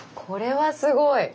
これはすごい！